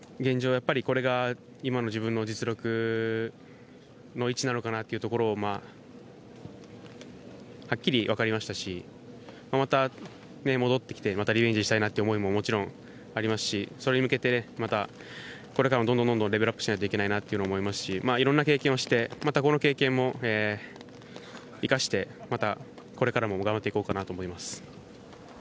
やっぱりこれが今の自分の実力の位置なのかなというのをはっきり分かりましたし、また戻ってきてリベンジしたいなという思いももちろんありますしそれに向けてまたこれからもどんどんどんどんレベルアップしないといけないなと思いますしいろんな経験をして、またこの経験も生かしてまたこれからも頑張っていこうかなと思います。